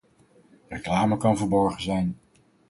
Reclame kan verborgen zijn.